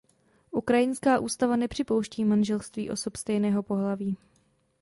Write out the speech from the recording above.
Ukrajinská ústava nepřipouští manželství osob stejného pohlaví.